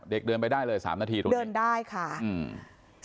เด็กเดินไปได้เลยสามนาทีเดินได้ค่ะอืม